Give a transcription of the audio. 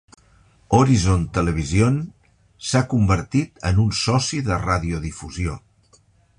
Horizon Television s'ha convertit en un soci de radiodifusió.